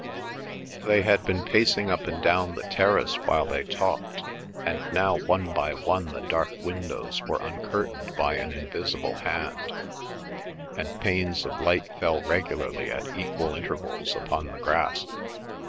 They had been pacing up and down the terrace while they talked, and now one by one the dark windows were uncurtained by an invisible hand, and panes of light fell regularly at equal intervals upon the grass.